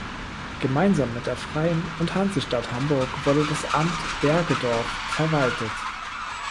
Gemeinsam mit der Freien und Hansestadt Hamburg wurde das Amt Bergedorf verwaltet.